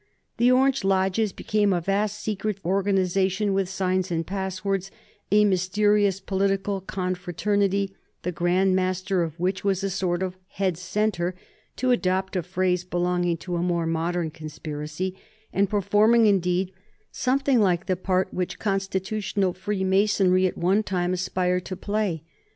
The Orange lodges became a vast secret organization with signs and passwords, a mysterious political confraternity, the Grand Master of which was a sort of head centre, to adopt a phrase belonging to a more modern conspiracy, and performing, indeed, something like the part which Continental Freemasonry at one time aspired to play.